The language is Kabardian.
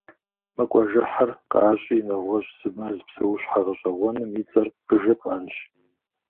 Мы къуажэхьыр къащӀи нэгъуэщӀ зы мэз псэущхьэ гъэщӀэгъуэным и цӀэр къыжыпӀэнщ.